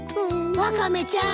・ワカメちゃん。